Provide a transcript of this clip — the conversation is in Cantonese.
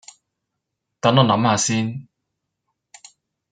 等我諗吓先